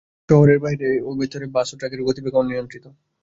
শহরের বাইরে ও ভেতরে বাস ও ট্রাকের গতিবেগ অনিয়ন্ত্রিত।